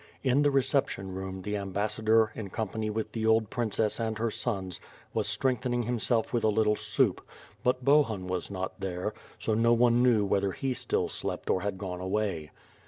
In the reception room the ambassador in com pany with the old princess and her sons was strengthening himself with a little soup, but Bohun was not there; no one knew whether he still slept or had gone away.